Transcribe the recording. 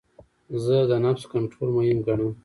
زه د نفس کنټرول مهم ګڼم.